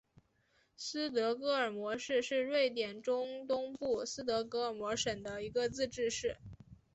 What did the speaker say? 斯德哥尔摩市是瑞典中东部斯德哥尔摩省的一个自治市。